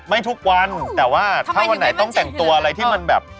ทุกวันแต่ว่าถ้าวันไหนต้องแต่งตัวอะไรที่มันแบบ